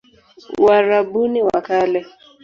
Uarabuni wa Kale